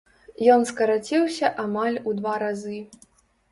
Ён скараціўся амаль у два разы.